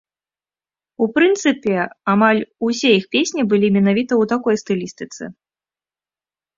У прынцыпе, амаль усе іх песні былі менавіта ў такой стылістыцы.